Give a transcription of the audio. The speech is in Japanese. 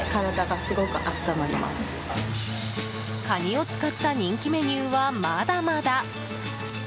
カニを使った人気メニューはまだまだ。